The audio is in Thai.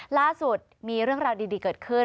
ล่าสุดมีเรื่องราวดีเกิดขึ้น